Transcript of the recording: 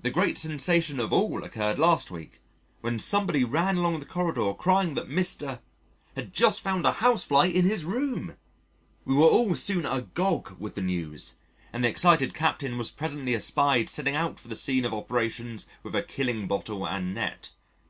The great sensation of all occurred last week when somebody ran along the corridor crying that Mr. had just found a Housefly in his room. We were all soon agog with the news, and the excited Captain was presently espied setting out for the scene of operations with a killing bottle and net.